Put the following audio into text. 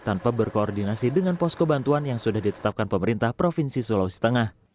tanpa berkoordinasi dengan posko bantuan yang sudah ditetapkan pemerintah provinsi sulawesi tengah